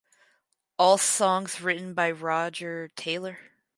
All songs written by Roger Taylor.